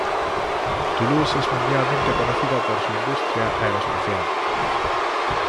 Toulouse es mundialmente conocida por su industria aeroespacial.